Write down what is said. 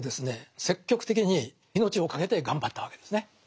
積極的に命をかけて頑張ったわけですね。